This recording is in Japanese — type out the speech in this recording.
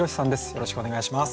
よろしくお願いします。